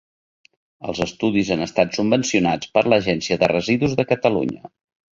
Els estudis han estat subvencionats per l'Agència de Residus de Catalunya.